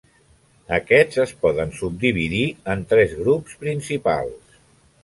Aquests es poden subdividir en tres grups principals.